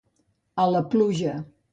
A la puja.